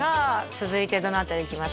続いてどの辺りいきますか？